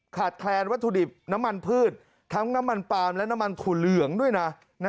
แคลนวัตถุดิบน้ำมันพืชทั้งน้ำมันปาล์มและน้ำมันถั่วเหลืองด้วยนะ